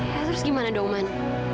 terus gimana dong man